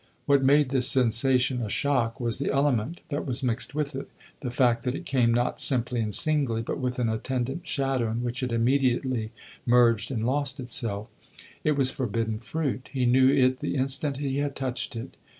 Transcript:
What made this sensation a shock was the element that was mixed with it; the fact that it came not simply and singly, but with an attendant shadow in which it immediately merged and lost itself. It was forbidden fruit he knew it the instant he had touched it.